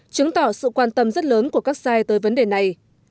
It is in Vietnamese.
chứng tỏ sự quan tâm rất lớn của các sai tới vấn đề này